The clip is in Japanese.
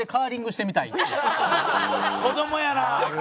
子供やな！